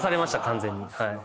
完全に。